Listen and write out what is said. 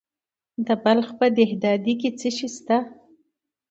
د بلخ په دهدادي کې څه شی شته؟